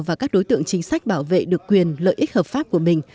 và các đối tượng chính sách bảo vệ được quyền lợi ích hợp pháp của mình